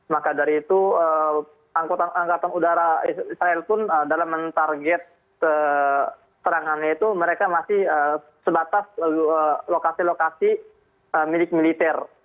maka dari itu angkatan udara israel pun dalam mentarget serangannya itu mereka masih sebatas lokasi lokasi milik militer